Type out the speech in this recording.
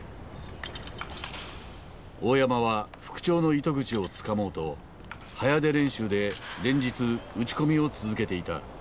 大山は復調の糸口をつかもうと早出練習で連日打ち込みを続けていた。